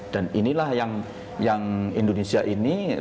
dan inilah yang indonesia ini